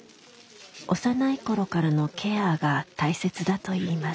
幼い頃からのケアが大切だといいます。